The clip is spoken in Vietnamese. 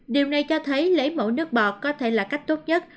điều này cho thấy lấy mẫu nước bọt có thể là cách tốt nhất